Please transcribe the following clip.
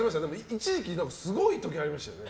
一時期すごい時ありましたよね。